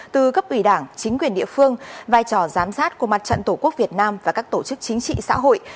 từ cấp ủy đảng chính quyền địa phương vai trò giám sát của mặt trận tổ quốc việt nam và các tổ chức chính trị xã hội